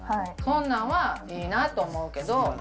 そんなんはいいなと思うけど。